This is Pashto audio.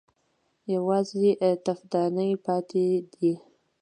_يوازې تفدانۍ پاتې دي.